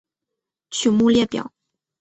曲目列表